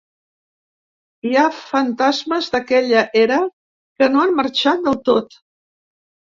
Hi ha fantasmes d’aquella era que no han marxat del tot.